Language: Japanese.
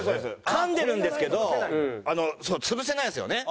噛んでるんですけど潰せないんですよね。